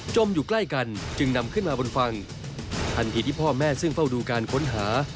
อยู่ใกล้กันจึงนำขึ้นมาบนฝั่งทันทีที่พ่อแม่ซึ่งเฝ้าดูการค้นหา